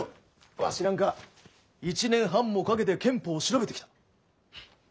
わしなんか１年半もかけて憲法を調べてきた。